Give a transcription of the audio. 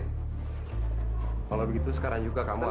kalau begitu sekarang juga kamu